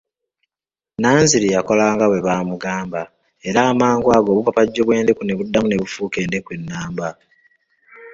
Nanziri yakolanga bwe baamugamba era amangu ago obupapajjo bw'endeku ne buddamu ne bufuuka endeku ennamba.